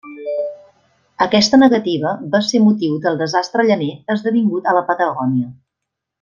Aquesta negativa va ser motiu del desastre llaner esdevingut a la Patagònia.